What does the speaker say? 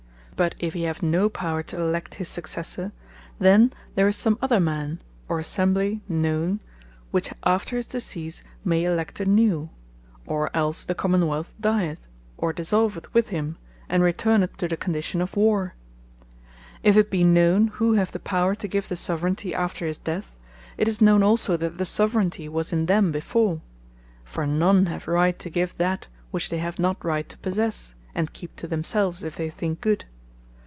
But if he have no Power to elect his Successor, then there is some other Man, or Assembly known, which after his decease may elect a new, or else the Common wealth dieth, and dissolveth with him, and returneth to the condition of Warre. If it be known who have the power to give the Soveraigntie after his death, it is known also that the Soveraigntie was in them before: For none have right to give that which they have not right to possesse, and keep to themselves, if they think good.